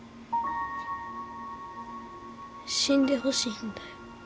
死んでほしいんだよ。